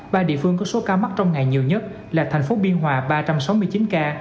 ba địa phương có số ca mắc trong ngày nhiều nhất là thành phố biên hòa ba trăm sáu mươi chín ca